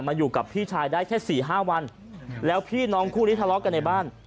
อยู่กับพี่ชายได้แค่สี่ห้าวันแล้วพี่น้องคู่นี้ทะเลาะกันในบ้าน